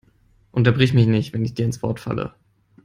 Unterbrich mich nicht, wenn ich dir ins Wort falle!